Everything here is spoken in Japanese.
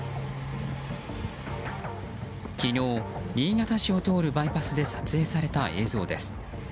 昨日、新潟市を通るバイパスで撮影された映像です。